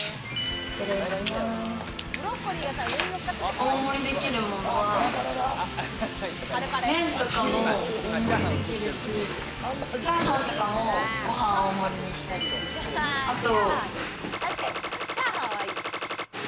大盛りできるものは麺とかも大盛りにできるし、チャーハンとかもご飯大盛りにしたり、あと。